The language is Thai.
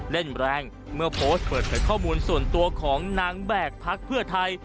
เล่นแรงเมื่อโพสต์เปิดเผยข้อมูลส่วนตัวของนางแบกพักเพื่อไทย